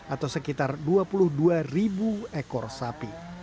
atau sekitar dua puluh dua ribu ekor sapi